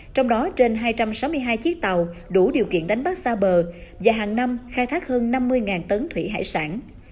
trong đó trên hai trăm sáu mươi hai chiếc tàu đủ điều kiện đánh bắt xa bờ và hàng năm khai thác hơn năm mươi tấn thủy hải sản